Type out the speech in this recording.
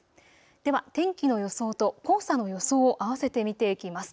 では天気の予想と黄砂の予想を合わせて見ていきます。